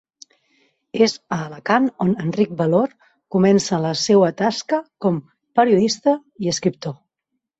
És a Alacant on Enric Valor comença la seua tasca com periodista i escriptor.